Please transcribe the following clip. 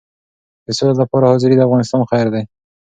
د سولې لپاره حاضري د افغانستان خیر دی.